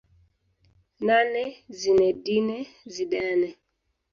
Nane Zinedine Zidane